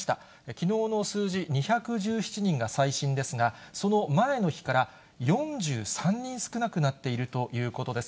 きのうの数字、２１７人が最新ですが、その前の日から４３人少なくなっているということです。